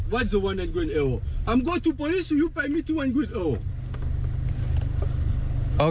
เบาเงิน๒๐๐ยูโร